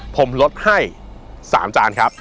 ผมลดให้๓จานครับ